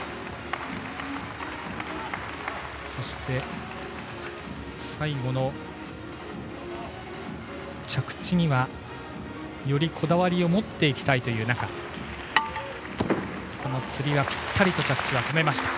そして、最後の着地にはよりこだわりを持っていきたいという中つり輪、ぴったりと着地は止めました。